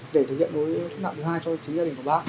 để thực hiện đối thức nặng thứ hai cho chính gia đình của bác